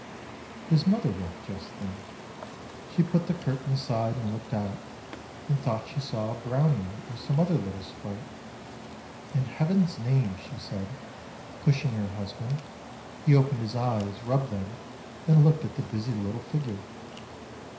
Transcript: " His mother woke just then. She put the curtain aside and looked out, and thought she saw a Brownie or some other little sprite. ' In Heaven's name,' she said, pushing her husband; he opened his eyes, rubbed them, and looked at the busy little figure.